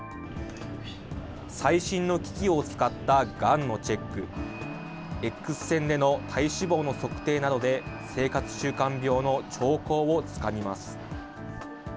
最新の機器を使ったがんのチェック、Ｘ線での体脂肪の測定などで生活習慣病の兆候をつかみます。